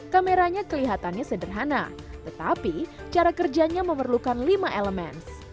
kameranya kelihatannya sederhana tetapi cara kerjanya memerlukan lima elemen